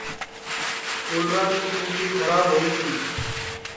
کولرا کی ٹونٚٹی کھراب ہوئی گی